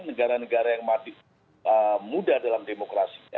negara negara yang muda dalam demokrasi